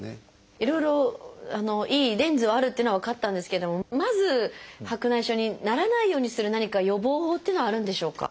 いろいろいいレンズがあるっていうのは分かったんですけどもまず白内障にならないようにする何か予防法というのはあるんでしょうか？